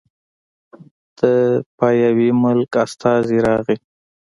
د پاياوي ملک استازی راغی